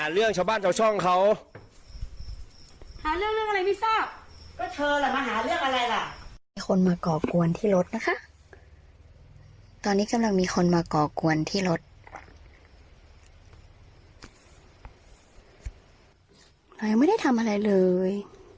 เรายังไม่ได้ทำอะไรเลย